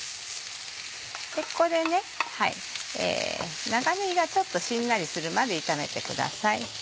ここで長ねぎがちょっとしんなりするまで炒めてください。